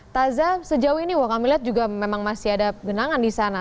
taza sejauh ini wakamilat juga memang masih ada genangan di sana